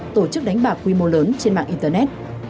tổ chức đánh bạc quy mô lớn trên mạng internet